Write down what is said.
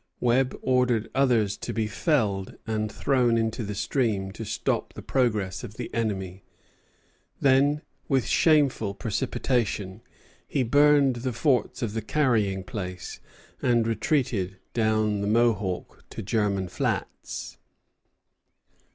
Webb ordered others to be felled and thrown into the stream to stop the progress of the enemy; then, with shameful precipitation, he burned the forts of the Carrying Place, and retreated down the Mohawk to German Flats.